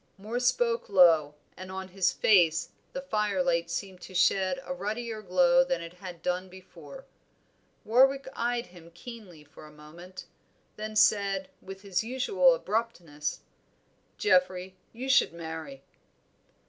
Moor spoke low, and on his face the fire light seemed to shed a ruddier glow than it had done before. Warwick eyed him keenly for a moment, then said, with his usual abruptness "Geoffrey, you should marry."